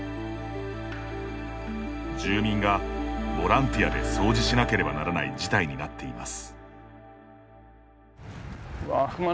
住民がボランティアで掃除しなければならない事態になっています。